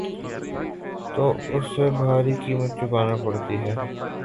تو اسے بھاری قیمت چکانا پڑتی ہے۔